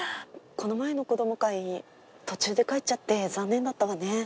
この前の子供会途中で帰っちゃって残念だったわね。